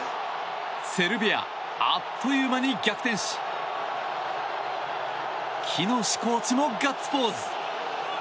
セルビアあっという間に逆転し喜熨斗コーチもガッツポーズ。